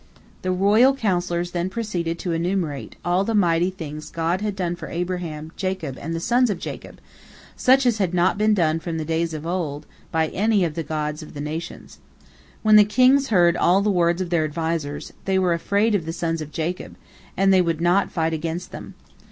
The royal counsellors then proceeded to enumerate all the mighty things God had done for Abraham, Jacob, and the sons of Jacob, such as had not been done from days of old and by any of the gods of the nations. When the kings heard all the words of their advisers, they were afraid of the sons of Jacob, and they would not fight against them.